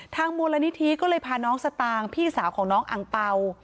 ทางโมรณิธิก็เลยพาน้องสตางค์พี่สาวของน้องอ่างเป๋า